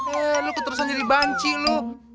eh lo ke terusan jadi banci lo